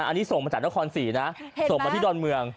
อันนี้ส่งมาจากนครศรีนะส่งมาที่ดอนเมือง